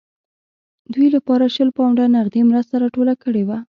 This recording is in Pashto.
دوی لپاره شل پونډه نغدي مرسته راټوله کړې وه.